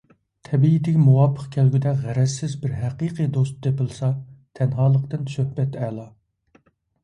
تەبىئىتىگە مۇۋاپىق كەلگۈدەك غەرەزسىز بىر ھەقىقىي دوست تېپىلسا، تەنھالىقتىن سۆھبەت ئەلا.